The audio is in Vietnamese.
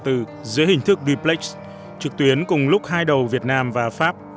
dưới hình thức duplex trực tuyến cùng lúc hai đầu việt nam và pháp